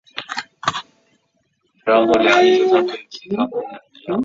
属东南斯洛文尼亚统计区。